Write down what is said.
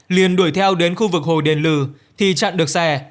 liền đuổi theo đến khu vực hồ đền lừ thì chặn được xe